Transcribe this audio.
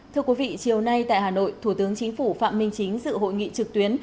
thưa quý vị chiều nay tại hà nội thủ tướng chính phủ phạm minh chính dự hội nghị trực tuyến